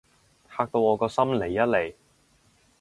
嚇到我個心離一離